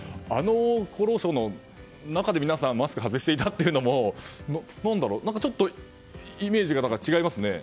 厚労省の中で皆さんマスクを外していたというのも何だろう、ちょっとイメージが違いますね。